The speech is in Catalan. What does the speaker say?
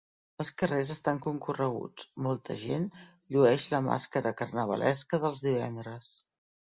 Els carrers estan concorreguts; molta gent llueix la màscara carnavalesca dels divendres.